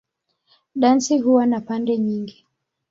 Dansi huwa na pande nyingi.